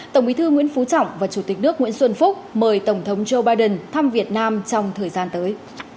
tổng bí thư nguyễn phú trọng và chủ tịch nước nguyễn xuân phúc mời tổng thống joe biden thăm việt nam trong thời gian tới